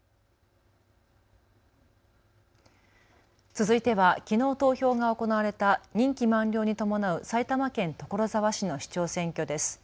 続いてはきのう投票が行われた任期満了に伴う埼玉県所沢市の市長選挙です。